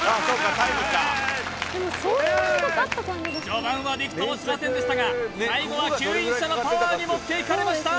序盤はビクともしませんでしたが最後は吸引車のパワーに持っていかれました